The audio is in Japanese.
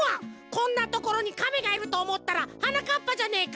こんなところにかめがいるとおもったらはなかっぱじゃねえか！